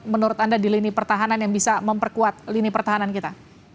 menurut anda di lini pertahanan yang bisa memperkuat lini pertahanan kita